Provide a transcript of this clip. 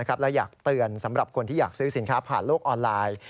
และอยากเตือนสำหรับคนที่อยากซื้อสินค้าผ่านโลกออนไลน์